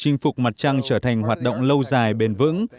chinh phục mặt trăng trở thành hoạt động lâu dài bền vững